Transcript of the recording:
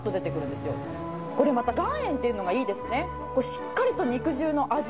これまた岩塩っていうのがいいですね。